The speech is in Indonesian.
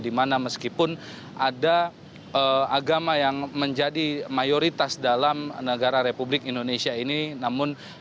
dimana meskipun ada agama yang menjadi mayoritas dalam negara republik indonesia ini namun